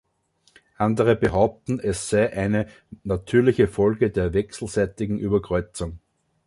Andere behaupten, es sei eine natürliche Folge der wechselseitigen Überkreuzung.